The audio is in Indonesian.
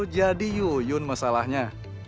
jadi yuyun masalahnya